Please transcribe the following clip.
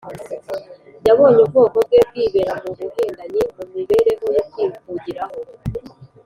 ’ Yabonye ubwoko bwe bwibera mu buhendanyi, mu mibereho yo kwihugiraho,